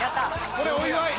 これお祝い。